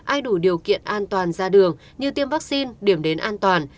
ai đủ điều kiện an toàn ra đường như tiêm vaccine điểm đến an toàn